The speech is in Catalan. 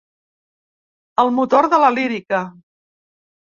El motor de la lírica.